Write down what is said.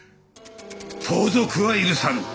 盗賊は許さん。